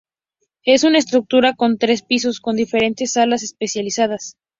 Es una estructura con tres pisos con diferentes salas especializadas.